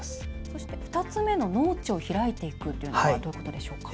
そして、２つ目の農地を開いていくというのはどういうことでしょうか？